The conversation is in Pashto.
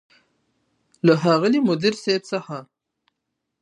له ښاغلي مدير صيب څخه